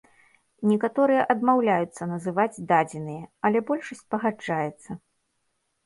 Некаторыя адмаўляюцца называць дадзеныя, але большасць пагаджаецца.